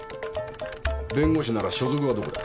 弁護士なら所属はどこだ？